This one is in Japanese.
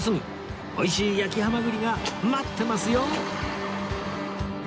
美味しい焼きハマグリが待ってますよ